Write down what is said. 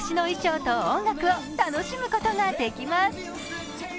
それぞれ懐かしの衣装と音楽を楽しむことができます。